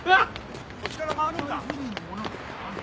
こっちから回るんか？